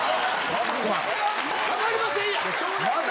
わかりませんやん。